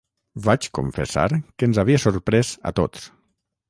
Vaig confessar que ens havia sorprès a tots.